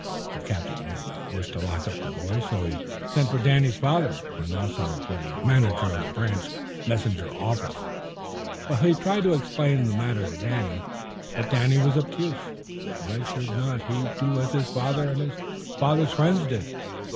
The captain did not wish to lock up the boy, so he sent for Danny's father and also for the manager of the branch messenger office. Meanwhile he tried to explain the matter to Danny, but Danny was obtuse. Why should not he do as his father and his father's friends did?